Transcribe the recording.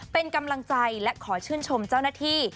เป็นกำลังใจและขอชื่นชมเจ้าหน้าที่